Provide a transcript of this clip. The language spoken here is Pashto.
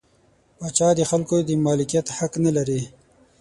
پاچا د خلکو د مالکیت حق نلري.